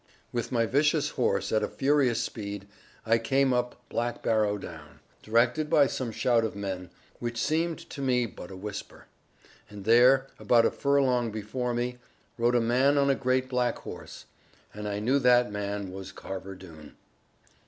With my vicious horse at a furious speed, I came up Black Barrow Down, directed by some shout of men, which seemed to me but a whisper. And there, about a furlong before me, rode a man on a great black horse, and I knew that man was Carver Doone.